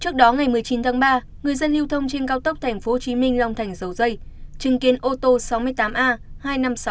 trước đó ngày một mươi chín tháng ba người dân lưu thông trên cao tốc tp hcm long thành dầu dây chứng kiến ô tô sáu mươi tám a hai mươi năm nghìn sáu trăm hai mươi tám lưu thông ngược chiều trên cao tốc